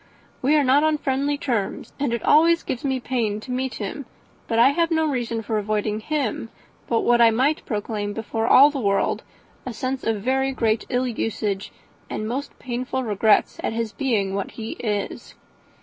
We are not on friendly terms, and it always gives me pain to meet him, but I have no reason for avoiding him but what I might proclaim to all the world a sense of very great ill usage, and most painful regrets at his being what he is.